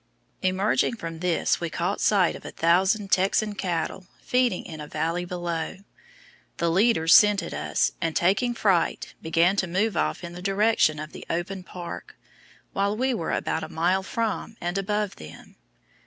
Emerging from this, we caught sight of a thousand Texan cattle feeding in a valley below. The leaders scented us, and, taking fright, began to move off in the direction of the open "park," while we were about a mile from and above them.